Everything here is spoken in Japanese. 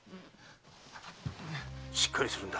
しっかりするんだ。